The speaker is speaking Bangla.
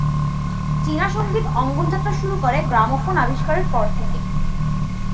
চীনা সঙ্গীত অঙ্গন যাত্রা শুরু করে গ্রামোফোন আবিষ্কারের পর থেকে।